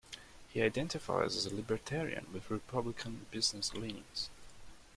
He identifies as a Libertarian with Republican business leanings.